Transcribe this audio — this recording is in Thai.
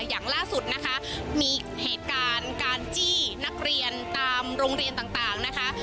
อย่างล่าสุดนะคะมีเหตุการณ์การจี้นักเรียนตามโรงเรียนต่างนะคะ